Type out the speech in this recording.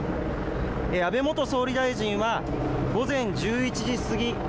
安倍元総理大臣は午前１１時過ぎ